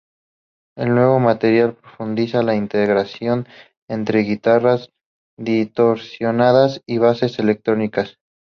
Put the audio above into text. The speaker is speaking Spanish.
El nuevo material profundiza la integración entre guitarras distorsionadas y bases electrónicas.